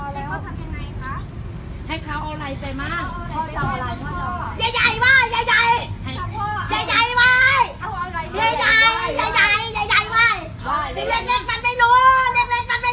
แล้วโดมายสีขาวอยู่ไหน